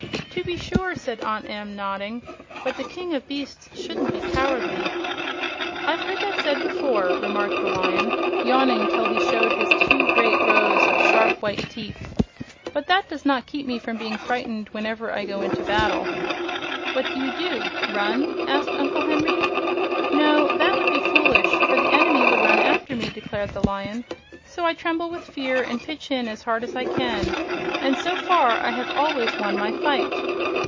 "To be sure," said Aunt Em, nodding. "But the King of Beasts shouldn't be cowardly." "I've heard that said before," remarked the Lion, yawning till he showed two great rows of sharp white teeth; "but that does not keep me from being frightened whenever I go into battle." "What do you do, run?" asked Uncle Henry. "No; that would be foolish, for the enemy would run after me," declared the Lion. "So I tremble with fear and pitch in as hard as I can; and so far I have always won my fight."